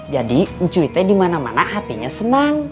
jadi ucuy teh dimana mana hatinya seneng